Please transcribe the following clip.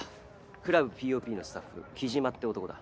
クラブＰ・Ｏ・Ｐのスタッフ木嶋って男だ。